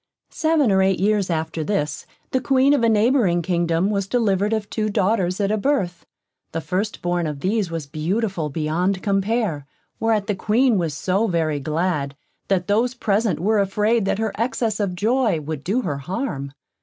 Seven or eight years after this, the Queen of a neighbouring kingdom was delivered of two daughters at a birth. The first born of these was beautiful beyond compare, whereat the Queen was so very glad, that those present were afraid that her excess of joy would do her harm.